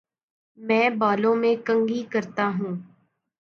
میں بالوں میں کنگھی کرتا ہوں